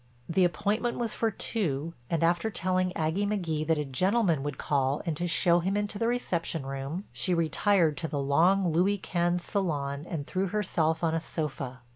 The appointment was for two and, after telling Aggie McGee that a gentleman would call and to show him into the reception room, she retired to the long Louis Quinze salon and threw herself on a sofa.